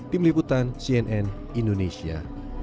tim liputan cnn indonesia